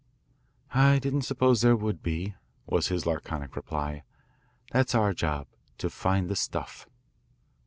"I didn't suppose there would be," was his laconic reply. "That's our job to=20find the stuff."